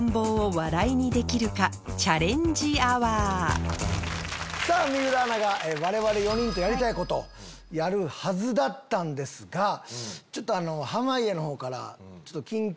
今夜はさぁ水卜アナが我々４人とやりたいことやるはずだったんですが濱家のほうから。